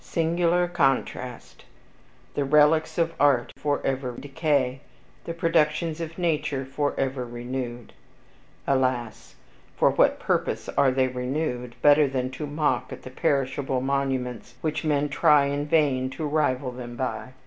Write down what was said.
Singular contrast! The relics of art forever decaying, the productions of nature forever renewed. (Alas! for what purpose are they renewed, better than to mock at the perishable monuments which men try in vain to rival them by.)